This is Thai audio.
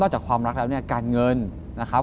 จากความรักแล้วเนี่ยการเงินนะครับ